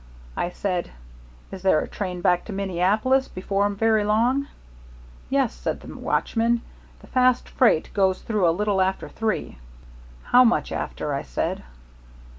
I said, 'Is there a train back to Minneapolis before very long?' 'Yes,' says the watchman, 'the fast freight goes through a little after three.' 'How much after?' I said.